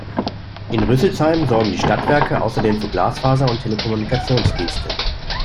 In Rüsselsheim sorgen die Stadtwerke außerdem für Glasfaser und Telekommunikationsdienste.